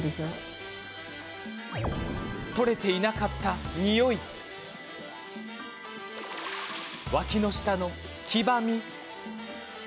取れていなかったニオイわきの下の黄ばみ。